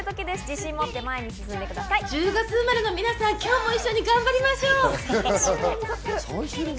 １０月生まれの皆さん、今日も一緒に頑張りましょう。